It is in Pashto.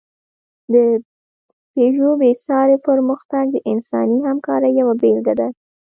د پيژو بېساری پرمختګ د انساني همکارۍ یوه بېلګه ده.